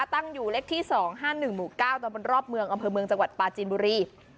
ตั้งอยู่เลขที่๒๕๑หมู่๙ตำบลรอบเมืองอำเภอเมืองจังหวัดปลาจีนบุรี